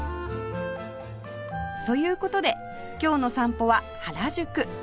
という事で今日の散歩は原宿